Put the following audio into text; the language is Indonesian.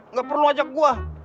nggak perlu ajak gua